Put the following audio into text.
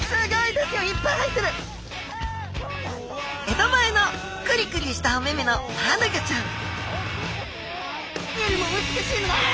江戸前のクリクリしたお目々のマアナゴちゃんああ！